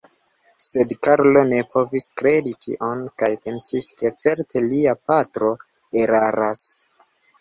Sed Karlo ne povis kredi tion kaj pensis, ke certe lia patro eraras.